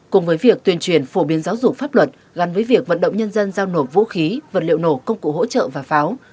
cùng với việc tuyên truyền phổ biến giáo dục pháp luật gắn với việc vận động nhân dân giao nộp vũ khí vật liệu nổ công cụ hỗ trợ và pháo